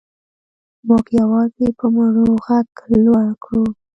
موږ یوازې په مړو غږ لوړ کړو.